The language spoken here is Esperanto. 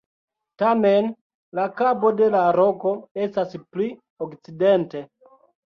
Tamen, la Kabo de la Roko estas pli okcidente.